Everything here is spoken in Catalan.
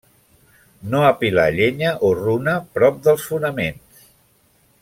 No apilar llenya o runa prop dels fonaments.